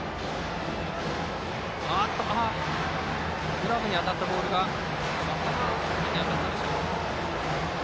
グラブに当たったボールが頭付近に当たったでしょうか。